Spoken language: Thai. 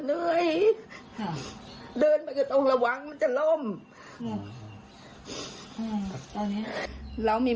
รีบเก็บข้อมูลเหล่านี้